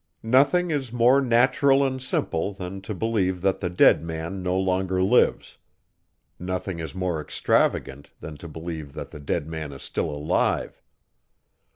Nothing is more natural and simple, than to believe, that the dead man no longer lives: nothing is more extravagant, than to believe, that the dead man is still alive.